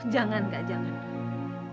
jangan kak jangan